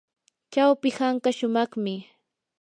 chawpi hanka shumaqmi.